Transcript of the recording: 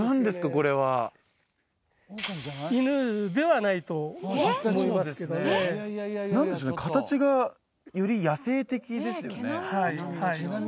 これは犬ではないと思いますけどね何でしょうね形がより野性的ですよね